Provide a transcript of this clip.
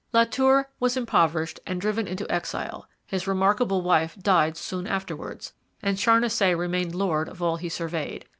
] La Tour was impoverished and driven into exile; his remarkable wife died soon afterwards; and Charnisay remained lord of all he surveyed.